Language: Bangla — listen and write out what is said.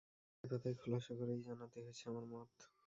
পাতায় পাতায় খোলসা করেই জানাতে হয়েছে আমার মত।